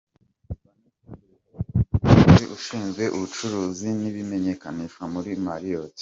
Vanessa Delgado, umuyobozi ushinzwe ubucuruzi n’imenyekanishabikorwa muri Marriott.